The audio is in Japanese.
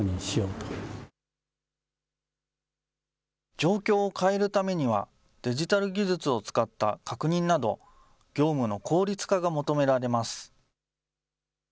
状況を変えるためには、デジタル技術を使った確認など、業務の効率化が求められます。